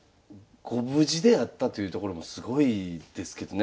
ご無事であったというところもすごいですけどね